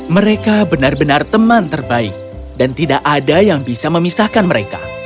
mereka benar benar teman terbaik dan tidak ada yang bisa memisahkan mereka